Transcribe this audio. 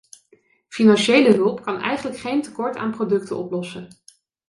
Financiële hulp kan eigenlijk geen tekort aan producten oplossen.